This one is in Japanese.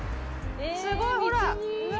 すごい、ほら！